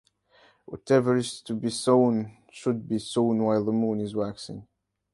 Whatever is to be sown should be sown while the moon is waxing.